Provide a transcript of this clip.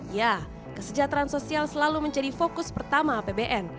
ya kesejahteraan sosial selalu menjadi fokus pertama apbn